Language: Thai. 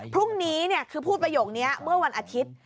พรุ่งนี้คือพูดประโยคนี้เมื่อวันอาทิตย์